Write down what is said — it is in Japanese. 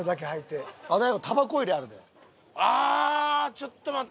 ちょっと待って。